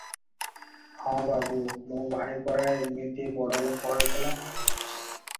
"ହଁ ବାବୁ! ମୋ ଭାଇ ପରା ଏମିତି ବଡ଼ଲୋକ ହୋଇଥିଲା ।